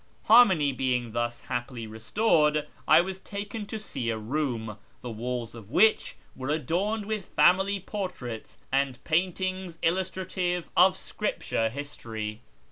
Harmony being thus happily restored, I was taken to see a room, the walls of which were adorned with family portraits and paintings illustrative of scripture history.